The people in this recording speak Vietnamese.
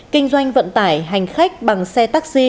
kinh doanh vận tải hành khách bằng xe taxi